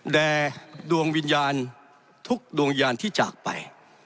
แด่ดวงวิญญาณทุกดวงญาณที่จากไป